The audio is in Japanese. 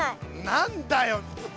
何だよ。